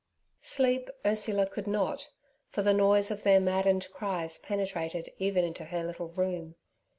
Sleep Ursula could not, for the noise of their maddened cries penetrated even into her little room.